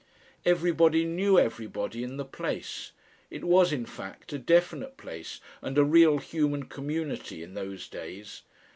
Everybody knew everybody in the place. It was, in fact, a definite place and a real human community in those days.